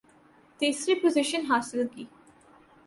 تیسری پوزیشن حاصل کی